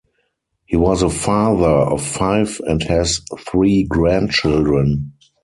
He was a father of five and has three grandchildren.